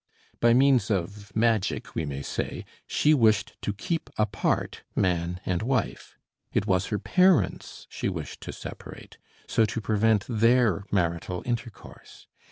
By means of magic, we may say, she wished to keep apart man and wife; it was her parents she wished to separate, so to prevent their marital intercourse.